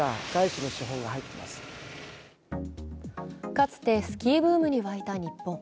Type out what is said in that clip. かつてスキーブームに沸いた日本。